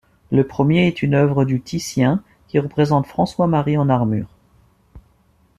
Le premier est une œuvre du Titien qui représente François-Marie en armure.